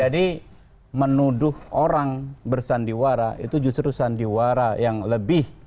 jadi menuduh orang bersandiwara itu justru sandiwara yang lebih